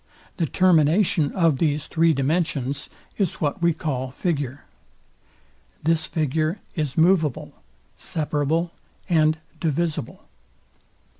The termination of these three dimensions is what we call figure. This figure is moveable, separable, and divisible.